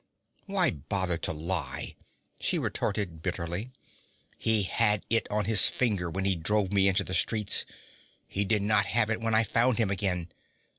'Why bother to lie?' she retorted bitterly. 'He had it on his finger when he drove me into the streets. He did not have it when I found him again.